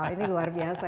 ini luar biasa